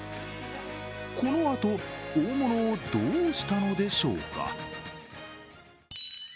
このあと、大物をどうしたのでしょうか。